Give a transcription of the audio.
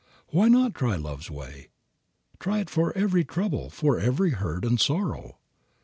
Why not try love's way? Try it for every trouble, for every hurt and sorrow.